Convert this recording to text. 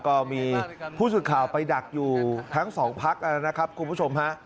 ก็มีผู้สื่อข่าวไปดักอยู่ทั้งสองพักนะครับคุณผู้ชมฮะ